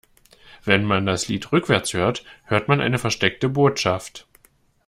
Wenn man das Lied rückwärts hört, hört man eine versteckte Botschaft.